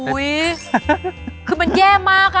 อุ๊ยคือมันแย่มากอะ